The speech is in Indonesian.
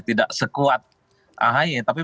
tidak sekuat ahy tapi